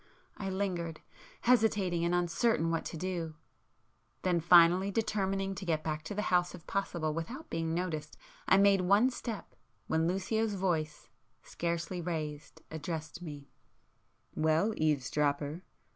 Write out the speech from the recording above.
I lingered, hesitating and uncertain what to do,—then finally determining to get back to the house if possible without being noticed, I made one step, when Lucio's voice, scarcely raised, addressed me— "Well, eavesdropper!